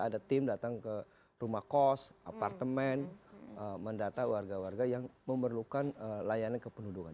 ada tim datang ke rumah kos apartemen mendata warga warga yang memerlukan layanan kependudukan